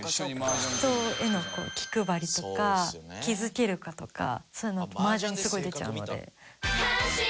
人への気配りとか気づけるかとかそういうの麻雀すごい出ちゃうので。